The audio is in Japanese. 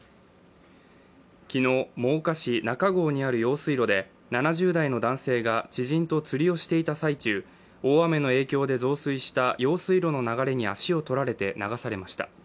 昨日、真岡市中郷にある用水路で７０代の男性が知人と釣りをしていた最中大雨の影響で増水した用水路の流れに足を取られて流されました。